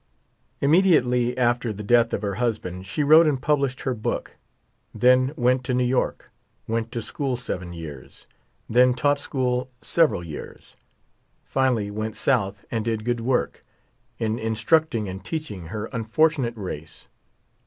Immediately after the death of her husband, she wrote and published her book ; then went to New York ; went to school seven years ; then taught school several years ; finally went South and did good work in. instructing and teaching her unfortunate race.